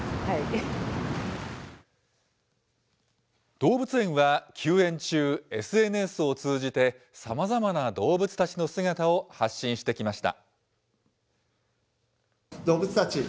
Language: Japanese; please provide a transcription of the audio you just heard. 動物園は休園中、ＳＮＳを通じて、さまざまな動物たちの姿を発信してきました。